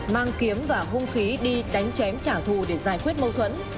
mang kiếm và hung khí đi đánh chém trả thù để giải quyết mâu thuẫn